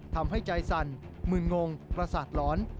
ทำให้ใจสั่นมืนงงประสาทหลอน